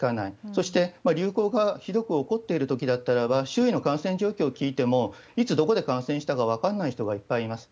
そして、流行がひどく起こっているときだったらば、周囲の感染状況を聞いても、いつ、どこで感染したか分かんない人がいっぱいいます。